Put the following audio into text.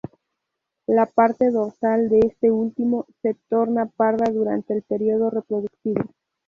La parte dorsal de este último, se torna parda durante el período reproductivo.